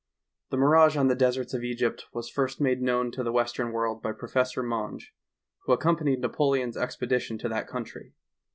The mirage on the deserts of Egypt was first made known to the western world by Professor Monge, who accompanied Napoleon's expedition to that country.